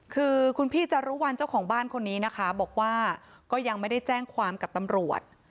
คือคุณพี่จารุวัลเจ้าของบ้านคนนี้นะคะบอกว่าก็ยังไม่ได้แจ้งความกับตำรวจ